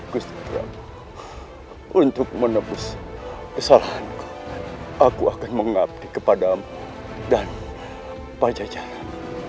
guru sipram untuk menembus kesalahanku aku akan mengabdi kepada amat dan pajajaran